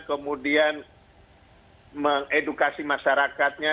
kemudian edukasi masyarakatnya